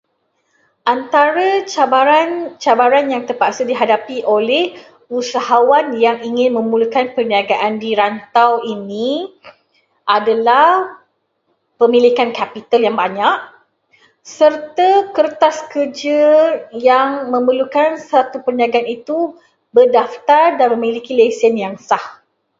Antara cabaran-cabaran yang terpaksa dihadapi oleh usahawan yang ingin memulakan perniagaan di rantau ini adalah pemilikan capital yang banyak, serta kertas kerja yang memerlukan satu perniagaan itu berdaftar dan memiliki lesen yang sah.